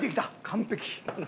完璧！